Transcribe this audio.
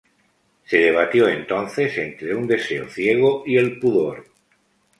Se debatió entonces entre un deseo ciego y el pudor.